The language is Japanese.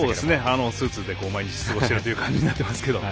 スーツで毎日過ごしている感じになっています。